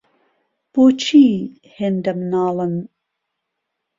بۆچی هێندە مناڵن؟